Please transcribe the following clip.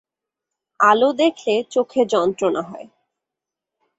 আলো দেখলে চোখে যন্ত্রণা হয়।